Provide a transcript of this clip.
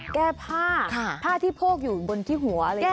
แก้ผ้าผ้าที่โพกอยู่บนที่หัวเลยค่ะค่ะ